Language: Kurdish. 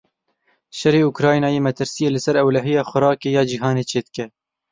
Şerê Ukraynayê metirsiyê li ser ewlehiya xurakê ya cîhanê çêdike.